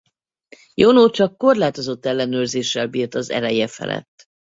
Jono csak korlátozott ellenőrzéssel bírt az ereje felett.